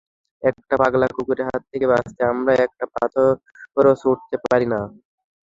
একটা পাগলা কুকুরের হাত থেকে বাঁচতে, আমরা একটা পাথরও ছুড়তে পারি না।